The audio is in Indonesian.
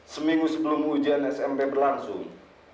seminggu sebelum ujian smp berlangsung